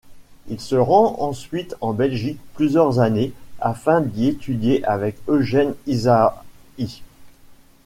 Il se rend ensuite en Belgique plusieurs années afin d'y étudier avec Eugène Ysaÿe.